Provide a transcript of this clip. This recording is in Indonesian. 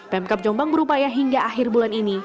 pemkap jombang berupaya hingga akhir bulan ini